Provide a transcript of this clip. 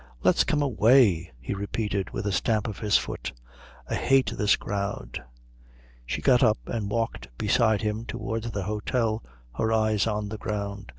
"Let's come away!" he repeated with a stamp of his foot. "I hate this crowd." She got up and walked beside him towards the hôtel, her eyes on the ground.